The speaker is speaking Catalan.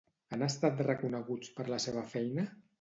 Han estat reconeguts per la seva feina?